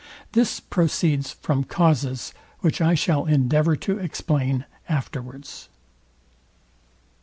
This proceeds from causes, which I shall endeavour to explain afterwards.